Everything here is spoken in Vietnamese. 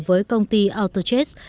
với công ty autostrade